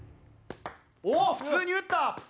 おっ普通に打った！